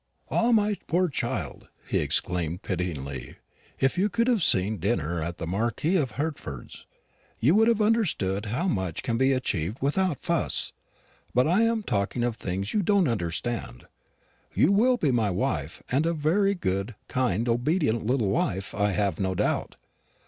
Ah, my poor child," he exclaimed, pityingly, "if you could have seen a dinner at the Marquis of Hertford's, you would have understood how much can be achieved without fuss. But I am talking of things you don't understand. You will be my wife; and a very good, kind, obedient little wife, I have no doubt.